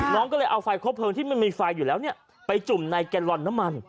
น้องก็เลยเอาไฟครบเพลิงที่มันมีไฟอยู่แล้วไปจุ่มในแกลลอนน้ำมัน